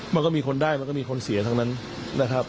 มันก็มีคนได้มันก็มีคนเสียทั้งนั้นนะครับ